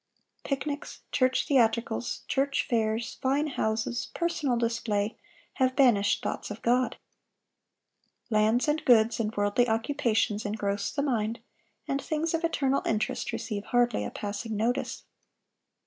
Picnics, church theatricals, church fairs, fine houses, personal display, have banished thoughts of God. Lands and goods and worldly occupations engross the mind, and things of eternal interest receive hardly a passing notice.